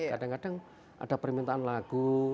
kadang kadang ada permintaan lagu